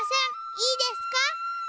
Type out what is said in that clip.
いいですか？